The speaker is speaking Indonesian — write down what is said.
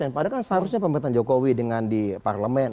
padahal kan seharusnya pemerintahan jokowi dengan di parlemen